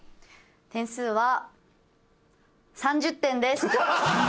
点数は３０点です。